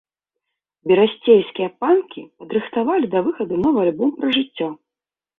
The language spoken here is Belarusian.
Берасцейскія панкі падрыхтавалі да выхаду новы альбом пра жыццё.